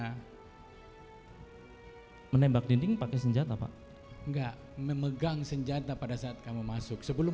hai menembak dinding pakai senjata pak enggak memegang senjata pada saat kamu masuk sebelum